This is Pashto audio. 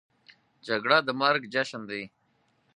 جګړه د مرګ جشن دی